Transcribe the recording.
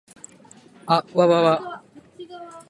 あっわわわ